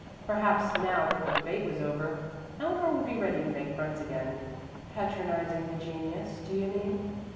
Perhaps, now that the debate was over, Eleanor would be ready to make friends again. "Patronizing the genius, do you mean?"